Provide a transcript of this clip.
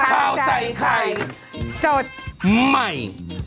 ข่าวใส่ไข่สดใหม่